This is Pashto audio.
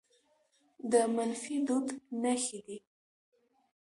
د منفي دود نښې دي